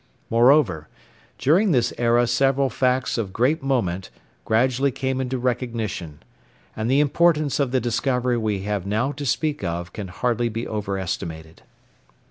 Moreover, during this era several facts of great moment gradually came into recognition; and the importance of the discovery we have now to speak of can hardly be over estimated.